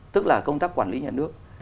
tức là công tác quản lý nhà nước